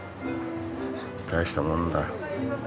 大したもんだ。